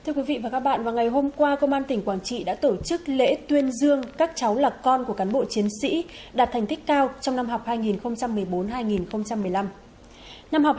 lãnh đạo công an tỉnh quảng trị đã tổ chức lễ tuyên dương các cháu là con của cán bộ chiến sĩ đạt thành tích cao trong năm học hai nghìn một mươi bốn hai nghìn một mươi năm